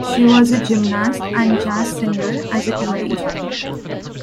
She was a gymnast and jazz singer as a teenager.